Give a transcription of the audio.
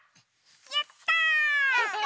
やった！